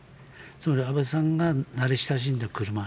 つまり安倍さんが慣れ親しんだ車